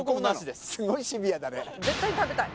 すごいシビアだねはい